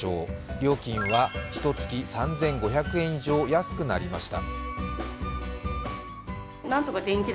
料金はひと月３５００円以上、安くなりました。